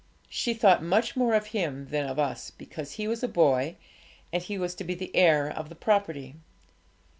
She thought much more of him than of us, because he was a boy, and was to be the heir to the property.